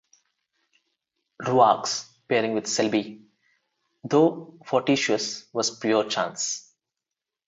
Ruark's pairing with Selby, though fortuitous, was pure chance.